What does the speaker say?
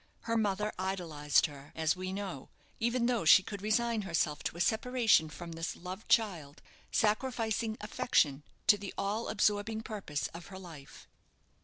Her mother idolized her, as we know, even though she could resign herself to a separation from this loved child, sacrificing affection to the all absorbing purpose of her life.